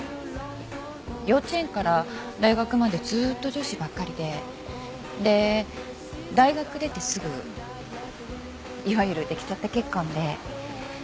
幼稚園から大学までずっと女子ばっかりでで大学出てすぐいわゆるできちゃった結婚で。